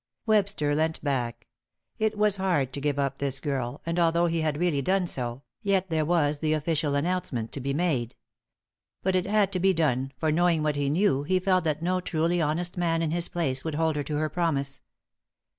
Webster leant back. It was hard to give up this girl, and although he had really done so, yet there was the official announcement to be made. But it had to be done, for, knowing what he knew, he felt that no truly honest man in his place would hold her to her promise.